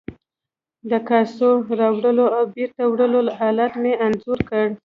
د کاسو راوړلو او بیرته وړلو حالت مې انځور کړ.